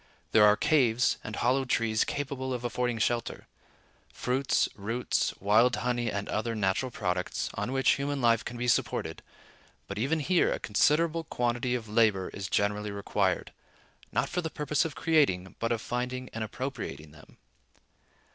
There are caves and hollow trees capable of affording shelter; fruits, roots, wild honey, and other natural products, on which human life can be supported; but even here a considerable quantity of labor is generally required, not for the purpose of creating, but of finding and appropriating them.